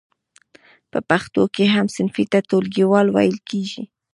په پښتو کې هم صنفي ته ټولګیوال ویل کیږی.